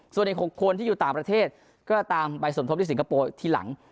ส่วนอีก๖คนที่อยู่ต่างประเทศก็ตามไปสมทบที่สิงคโปร์ทีหลัง